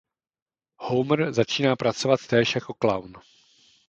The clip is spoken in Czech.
Homer začíná pracovat též jako klaun.